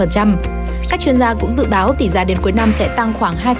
các chuyên gia cũng dự báo tỷ giá đến cuối năm sẽ tăng khoảng hai